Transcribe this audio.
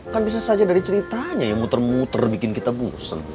kan bisa saja dari ceritanya ya muter muter bikin kita bosen